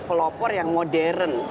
jadi ini adalah hal yang modern